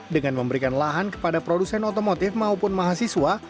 dengan memberikan lahan kepada produsen otomotif maupun mahasiswa